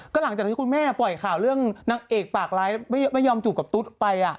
ก็หลังจากที่คุณแม่ปล่อยข่าวเรื่องนางเอกปากร้ายไม่ยอมจูบกับตุ๊ดไป